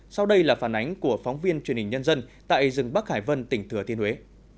sau đây là phản ánh của phóng viên truyền hình nhân dân tại rừng bắc hải vân tỉnh thừa thiên huế